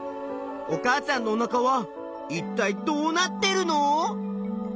お母さんのおなかはいったいどうなってるの？